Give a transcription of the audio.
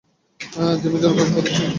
জিমের জন্য অপেক্ষা করা উচিত।